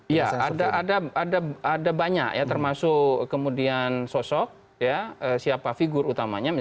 iya ada banyak ya termasuk kemudian sosok siapa figur utamanya